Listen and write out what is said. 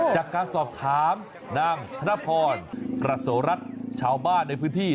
จากการสอบถามนางธนพรกระโสรัฐชาวบ้านในพื้นที่